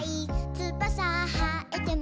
「つばさはえても」